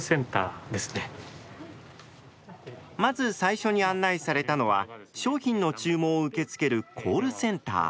まず最初に案内されたのは商品の注文を受け付けるコールセンター。